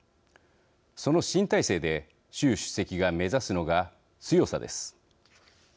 その新体制で習主席が目指すのが強さです。